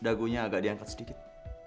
dagunya agak diangkat sedikit